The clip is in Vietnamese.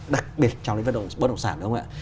đặc biệt trong những cái bất động sản đúng không ạ